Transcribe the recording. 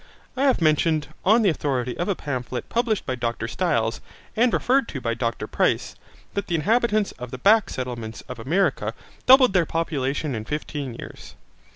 I have mentioned, on the authority of a pamphlet published by a Dr Styles and referred to by Dr Price, that the inhabitants of the back settlements of America doubled their numbers in fifteen years.